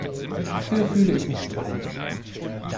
Dafür fühle ich mich zu alt.